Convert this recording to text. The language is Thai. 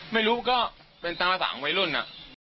ไม่รู้ก็เป็นตามภาษาของวัยรุ่น